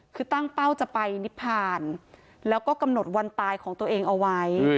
คือตั้งเป้าจะไปนิพพานแล้วก็กำหนดวันตายของตัวเองเอาไว้